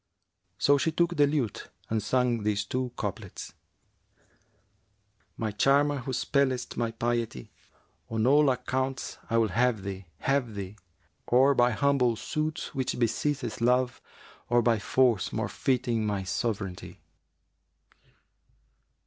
So she took the lute and sang these two couplets, 'My charmer who spellest my piety[FN#365] * On all accounts I'll have thee, have thee, Or by humble suit which besitteth Love * Or by force more fitting my sovranty.'